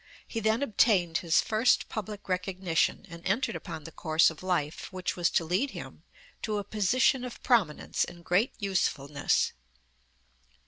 He then obtained his first public recognition, and entered upon the course of life which was to lead him to a position of prominence and great usefulness.